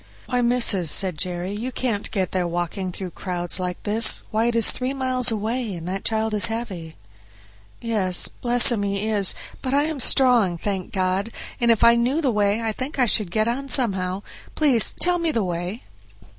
"Why, missis," said Jerry, "you can't get there walking through crowds like this! why, it is three miles away, and that child is heavy." "Yes, bless him, he is; but I am strong, thank God, and if I knew the way I think I should get on somehow; please tell me the way."